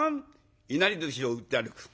いなりずしを売って歩く。